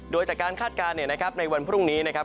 โดยจากการคาดการณ์ในวันพรุ่งนี้นะครับ